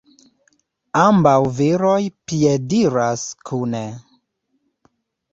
Ambaŭ viroj piediras kune.